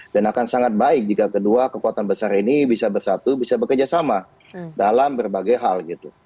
dan akan sangat baik jika kedua kekuatan besar ini bisa bersatu bisa bekerjasama dalam berbagai hal gitu